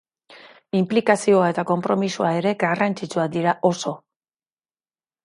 Inplikazioa eta konpromisoa ere garrantzitsuak dira oso.